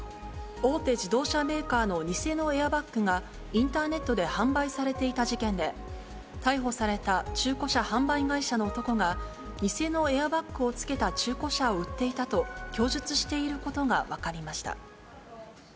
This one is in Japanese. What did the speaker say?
大手自動車メーカーの偽のエアバッグがインターネットで販売されていた事件で、逮捕された中古車販売会社の男が偽のエアバッグをつけた中古車を売っていたと供述していることが分かりました。